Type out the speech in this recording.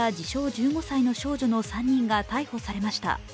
１５歳の少女の３人が逮捕されました。